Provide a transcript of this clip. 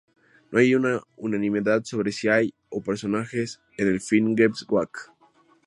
No hay unanimidad sobre si hay o no personajes en el "Finnegans Wake".